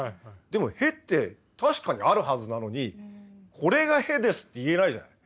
でも屁って確かにあるはずなのに「これが屁です」って言えないじゃない。